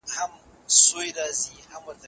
ایا دوی یوازې خپله ګټه غواړي؟